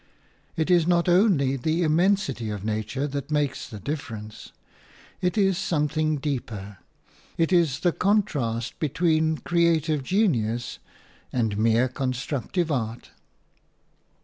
It is not only the immensity of nature that makes the difference; it is something deeper; it is the contrast between creative genius and mere constructive art.